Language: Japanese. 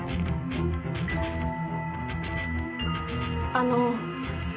あの。